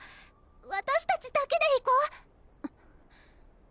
わたしたちだけで行こう？